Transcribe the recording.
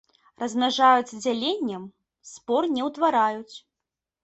Размнажаюцца дзяленнем, спор не утвараюць.